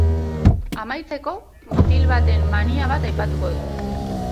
Amaitzeko, mutil baten mania bat aipatuko dugu.